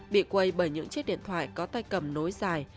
bị quây bởi những chiếc điện thoại có tay cầm nối dài